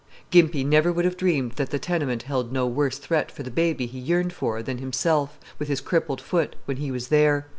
Gimpy never would have dreamed that the tenement held no worse threat for the baby he yearned for than himself, with his crippled foot, when he was there.